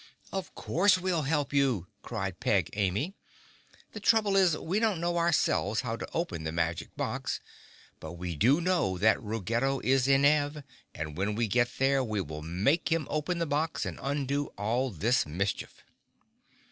"Of course we'll help you!" cried Peg Amy. "The trouble is, we don't know ourselves how to open the magic box, but we do know that Ruggedo is in Ev and when we get there we will make him open the box and undo all this mischief."